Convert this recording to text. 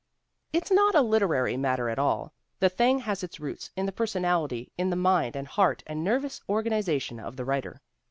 It's not a literary matter at all ; the thing has its roots in the personality, in the mind and heart and nervous organization of the writer.